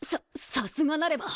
さすがなれば。